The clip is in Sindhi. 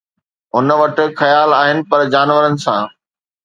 هن وٽ خيال آهن پر جانورن سان